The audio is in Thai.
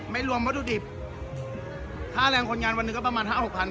ไม่รวมมัตถุดิบค่าแรงคนงานวันนึงก็ประมาณห้าหกพัน